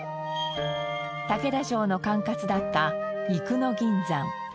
竹田城の管轄だった生野銀山。